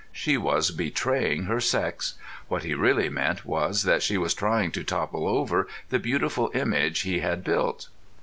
She was betraying her sex. What he really meant was that she was trying to topple over the beautiful image he had built.